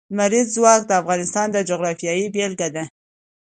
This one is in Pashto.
لمریز ځواک د افغانستان د جغرافیې بېلګه ده.